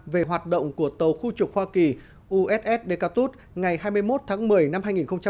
về hoạt động của tàu khu trục hoa kỳ uss decatur ngày hai mươi một tháng một mươi năm hai nghìn một mươi sáu